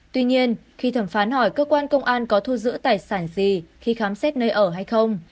tuy nhiên khi thẩm phán hỏi cơ quan công an có thu giữ tài sản gì khi khám xét nơi ở hay không